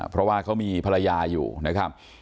เพราะว่าเขามีภรรยาอยู่นะครับ